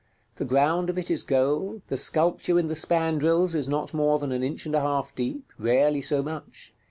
The ground of it is gold, the sculpture in the spandrils is not more than an inch and a half deep, rarely so much.